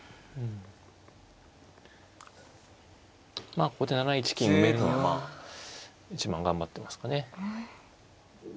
まあここで７一金埋めるのは一番頑張ってますかね。